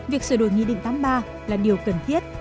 việc sửa đổi nghị định tám mươi ba là điều cần thiết